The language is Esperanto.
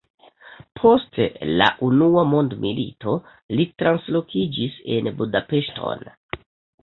Post la unua mondmilito li translokiĝis en Budapeŝton.